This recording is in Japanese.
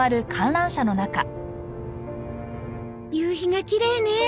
夕日がきれいね。